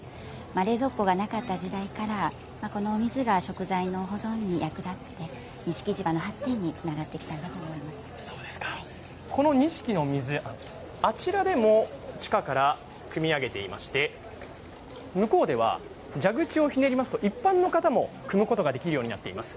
冷蔵庫がなかった時代からこのお水が食材の保存に役立って錦市場の発展にこの錦の水あちらでも地下からくみ上げていまして向こうでは蛇口をひねりますと一般の方もくむことができるようになっています。